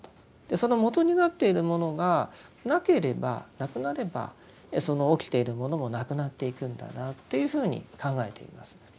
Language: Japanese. そのもとになっているものがなければなくなればその起きているものもなくなっていくんだなというふうに考えています。